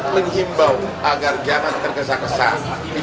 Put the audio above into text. mengimbau agar jangan terkesan kesan